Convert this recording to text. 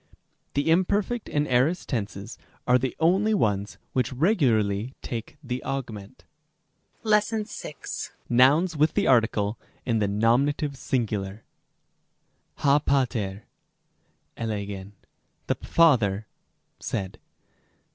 6. The imperfect and aorist tenses are the only ones which regu larly take the awgment. §6. Nouns, with the article, in the nominative singular. ὁ πατὴρ ἔλεγεν, the father said.